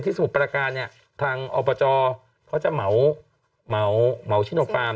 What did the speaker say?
ที่สมุดประกาศเนี่ยทางอปจอเขาจะเหมาวชินโฟาร์ม